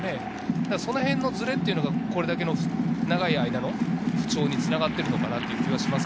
そのへんのズレというのがこれだけ長い間の不調につながっているのかなという気がします。